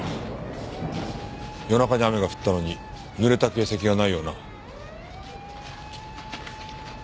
夜中に雨が降ったのに濡れた形跡がないよな。